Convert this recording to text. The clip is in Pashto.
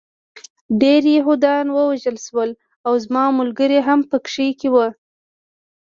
ډېر یهودان ووژل شول او زما ملګري هم پکې وو